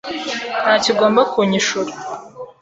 Ntacyo ugomba kunyishura.